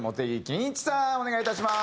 お願いいたします。